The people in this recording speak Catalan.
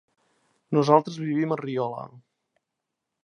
Nosaltres vivim a Riola.